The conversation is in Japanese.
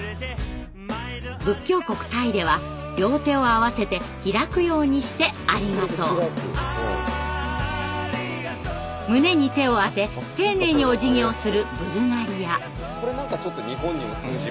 仏教国タイでは両手を合わせて開くようにして「ありがとう」。胸に手をあて丁寧におじぎをするブルガリア。